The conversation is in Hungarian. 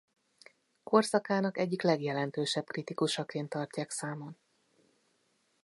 Korszakának egyik legjelentősebb kritikusaként tartják számon.